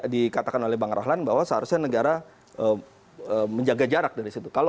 dikatakan oleh bang rahlan bahwa seharusnya negara menjaga jarak dari situ